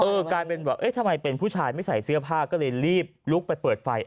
กลายเป็นแบบเอ๊ะทำไมเป็นผู้ชายไม่ใส่เสื้อผ้าก็เลยรีบลุกไปเปิดไฟ